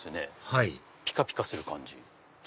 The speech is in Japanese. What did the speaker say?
はいピカピカする感じ。